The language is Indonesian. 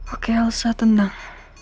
oke elsa tenang